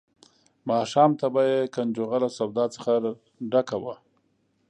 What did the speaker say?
ماښام ته به یې کنجغه له سودا څخه ډکه وه.